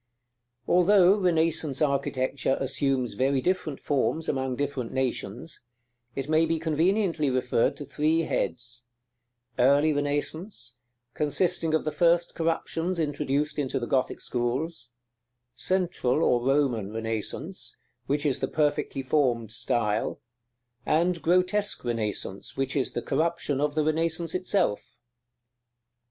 § III. Although Renaissance architecture assumes very different forms among different nations, it may be conveniently referred to three heads: Early Renaissance, consisting of the first corruptions introduced into the Gothic schools: Central or Roman Renaissance, which is the perfectly formed style: and Grotesque Renaissance, which is the corruption of the Renaissance itself.